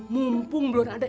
mumpung belum ada nyaruk